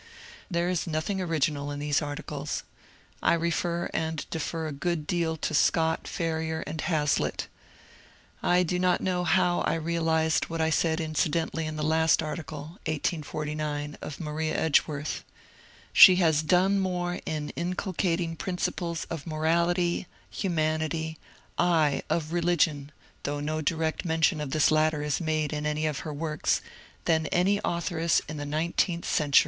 There is nothing original in these articles. I refer and defer a good deal to Scott, Ferriar, and Hazlitt. I do not know how I realized what I said incidentally in the last article (1849) of Maria Edgeworth :" She has done more in inculcating principles of morality, humanity — aye, of religion (though no direct mention of this latter is made in any of her works) — than any authoress in the nineteenth century."